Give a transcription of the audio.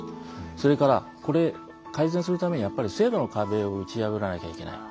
それからこれ改善するためにはやっぱり制度の壁を打ち破らなきゃいけない。